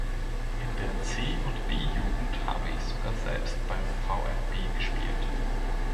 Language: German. In der C- und B-Jugend habe ich sogar selbst beim VfB gespielt.